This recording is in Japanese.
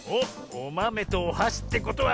おまめとおはしってことは。